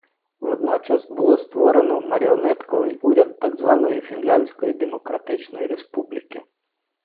Водночас, було створено маріонетковий уряд так званої Фінляндської Демократичної Республіки.